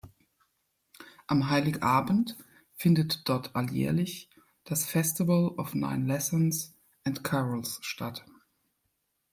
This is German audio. Am Heiligabend findet dort alljährlich das Festival of Nine Lessons and Carols statt.